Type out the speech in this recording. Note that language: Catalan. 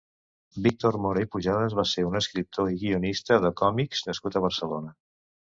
Víctor Mora i Pujadas va ser un escriptor i guionista de còmics nascut a Barcelona.